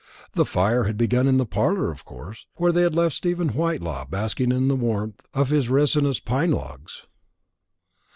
The fire had begun in the parlour, of course, where they had left Stephen Whitelaw basking in the warmth of his resinous pine logs.